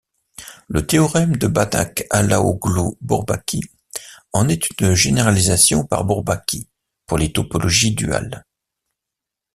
Le théorème de Banach-Alaoglu-Bourbaki en est une généralisation par Bourbaki pour les topologies duales.